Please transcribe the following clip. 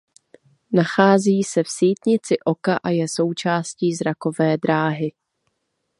Nachází se v sítnici oka a je součástí zrakové dráhy.